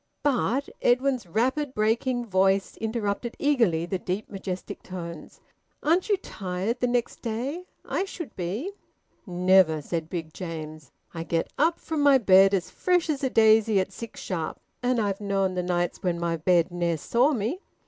"But" Edwin's rapid, breaking voice interrupted eagerly the deep majestic tones "aren't you tired the next day? I should be!" "Never," said Big James. "I get up from my bed as fresh as a daisy at six sharp. And I've known the nights when my bed ne'er saw me."